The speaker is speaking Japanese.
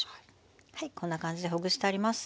はいこんな感じでほぐしてあります。